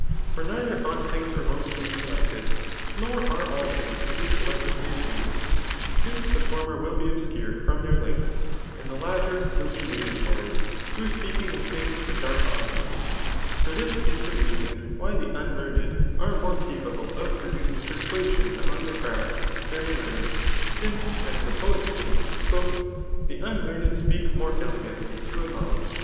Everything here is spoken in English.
For neither ought things remote to be collected, nor are all things to be collectively assumed i since the former will be obscure from their, length j .ajid tl)e latter . CHAF. .XXni. RUTOltlCk 173 wiU be nagatoiy, through speaking of tUags iduch obvious. For this is the leuon why:the unldaraed aie mose capable, of prodttdi^ persuasiiHi among the cfovd, than the karned, since as the poets say; *^ The unkamrd ^peak more eiegmitiy to a mob.''